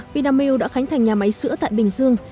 vinamilk đã khánh thành nhà máy sữa tại bình dương